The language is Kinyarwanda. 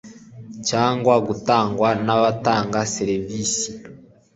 cyangwa gutangwa n abatanga serivisi